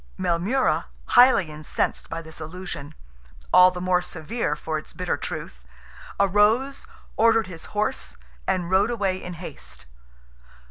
Maelmurra, highly incensed by this allusion—all the more severe for its bitter truth—arose, ordered his horse, and rode away in haste.